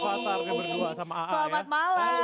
halo raffathar kita berdua sama aa ya